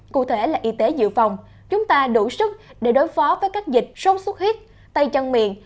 cụ thể là y tế dự phòng chúng ta đủ sức để đối phó với các dịch sốt xuất huyết tay chân miệng